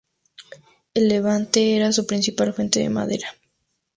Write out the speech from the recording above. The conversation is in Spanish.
El Levante era su principal fuente de madera.